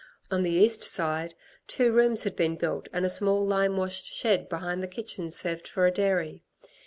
On the east side, two rooms had been built, and a small limewashed shed behind the kitchen served for a dairy.